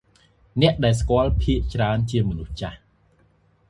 អ្នកដែលស្គាល់ ភាគច្រើនជាមនុស្សចាស់។